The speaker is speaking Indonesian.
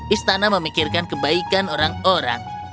istana memikirkan kebaikan orang orang